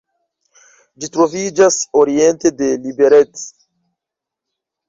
Ĝi troviĝas oriente de Liberec.